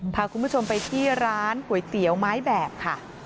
พาคุณผู้ชมไปที่ร้านก๋วยเตี๋ยวไม้แบบค่ะ